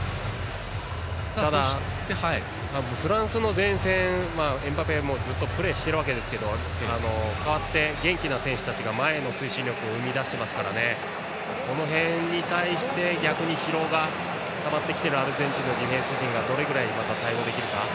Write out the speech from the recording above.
ただ、フランスの前線エムバペはずっとプレーしているわけですが代わって元気な選手たちが前への推進力を生み出しているのでこの辺に対して逆に疲労がたまってきているアルゼンチンのディフェンス陣がどれだけ対応できるか。